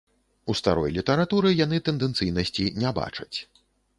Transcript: У старой літаратуры яны тэндэнцыйнасці не бачаць.